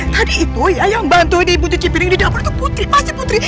tadi itu ya yang bantu di putri cipiring di dapur itu putri masih putri